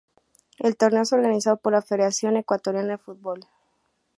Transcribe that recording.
El torneo es organizado por la Federación Ecuatoriana de Fútbol.